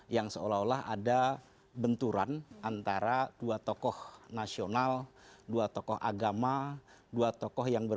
yusril tidak taat kepada hasil iktima ulama